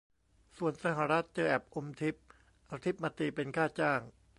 ส่วนสหรัฐเจอแอปอมทิป เอาทิปมาตีเป็นค่าจ้าง